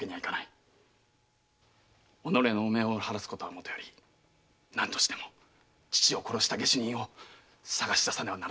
己の汚名を晴らすことはもとより何としても父を殺した下手人を探し出さねばならぬのだ。